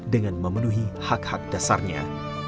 dengan memenuhi hak hak dasarnya